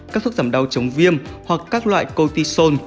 các thuốc giảm đau chống viêm hoặc các loại cotisol